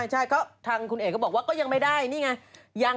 หรือร่อนปั่นด้วยไม่ปั่น